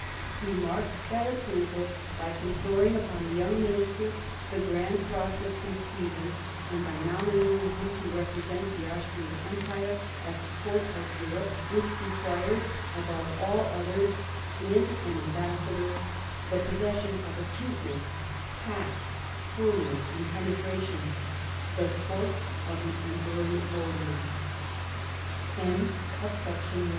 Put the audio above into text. He marked that approval by conferring upon the young Minister the Grand Cross of St. Stephen, and by nominating him to represent the Austrian Empire at the Court of Europe which required, above all others, in an ambassador, the possession of acuteness, tact, firmness, and penetration — the Court o